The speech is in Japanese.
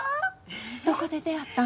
どこで出会ったん？